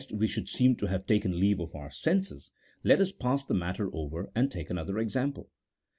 we should seem to have taken leave of our senses, let us pass the matter over and take another example.